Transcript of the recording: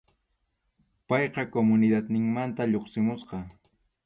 Payqa comunidadninmanta lluqsimusqa.